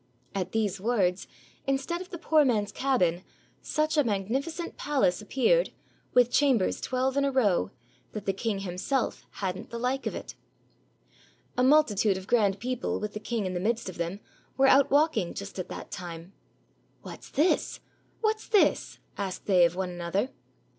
At these words, instead of the poor man's cabin, such a magnificent palace appeared, with chambers twelve in a row, that the king himself had n't the like of it. A multitude of grand people with the king in the midst of them were out walking just at that time. "What's this? what's this?" asked they of one another.